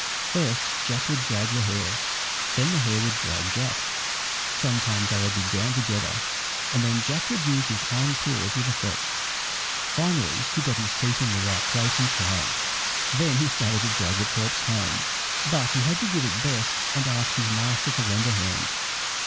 First Jack would drag the hare, and then the hare would drag Jack; sometimes they would be down together, and then Jack would use his hind claws with effect; finally he got his teeth in the right place, and triumphed. Then he started to drag the corpse home, but he had to give it best and ask his master to lend a hand.